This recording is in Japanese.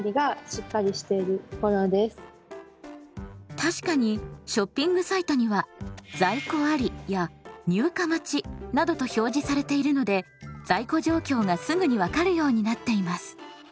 確かにショッピングサイトには在庫ありや入荷待ちなどと表示されているので在庫状況がすぐに分かるようになっています。